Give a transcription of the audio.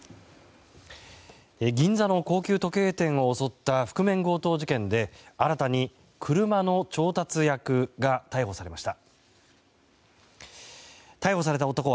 銀座の高級時計店を襲った覆面強盗事件で新たに車の調達役が逮捕されました。